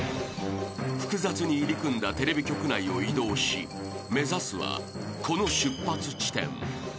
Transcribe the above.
［複雑に入り組んだテレビ局内を移動し目指すはこの出発地点］